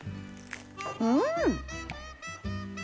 うん！